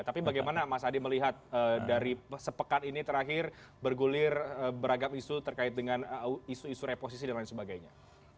tapi bagaimana mas adi melihat dari sepekan ini terakhir bergulir beragam isu terkait dengan isu isu reposisi dan lain sebagainya